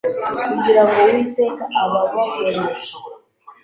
kugira ngo Uwiteka ababahoreshe